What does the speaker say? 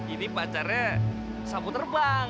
ini pacarnya sapu terbang